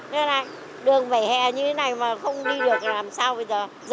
nên là đường vỉa hè như thế này mà không đi được là làm sao bây giờ